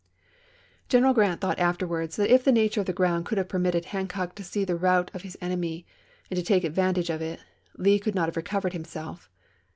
General Grant thought afterwards that if the na ture of the ground could have permitted Hancock to see the rout of his enemy and to take advantage of it, Lee could not have recovered himself.